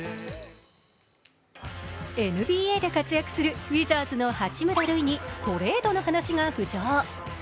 ＮＢＡで活躍するウィザーズ・八村塁にトレードの話が浮上。